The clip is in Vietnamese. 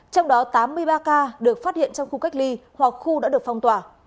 trong đó tám mươi ba ca được phát hiện trong khu cách ly hoặc khu đã được phong tỏa